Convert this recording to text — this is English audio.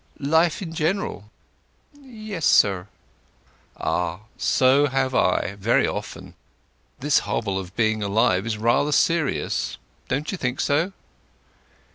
"Life in general?" "Yes, sir." "Ah—so have I, very often. This hobble of being alive is rather serious, don't you think so?"